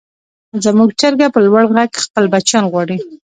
زموږ چرګه په لوړ غږ خپل بچیان غواړي.